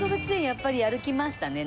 やっぱり歩きましたね。